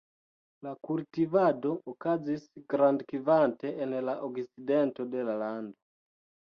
La kultivado okazis grandkvante en la okcidento de la lando.